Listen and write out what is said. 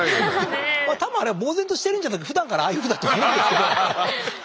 多分あれはぼう然としてるんじゃなくてふだんからああいうふうだとは思うんですけど。